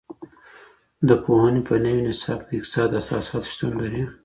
د پوهنې په نوي نصاب کي د اقتصاد اساسات شتون لري؟